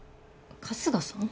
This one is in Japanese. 春日さん？